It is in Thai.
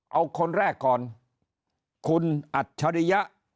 เอาคนแรกก่อนคุณอัจฉริยะ